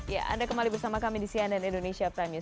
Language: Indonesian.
ya anda kembali bersama kami di cnn indonesia prime news